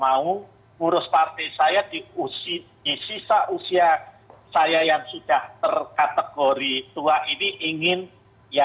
mau ngurus partai saya di usia di sisa usia saya yang sudah terkategori tua ini ingin ya